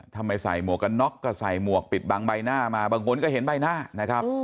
ทำไมใส่หมวกกันน็อกก็ใส่หมวกปิดบังใบหน้ามาบางคนก็เห็นใบหน้านะครับ